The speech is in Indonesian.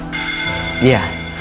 aduh aduh aduh aduh